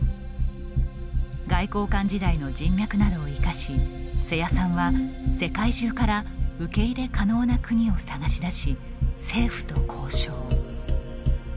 外交官時代の人脈などを生かし瀬谷さんは、世界中から受け入れ可能な国を探し出し政府と交渉。